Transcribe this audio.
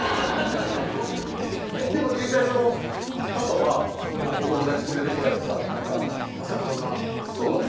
でも実際パパはお友達連れてこられてさまさかそんなそうなんですよ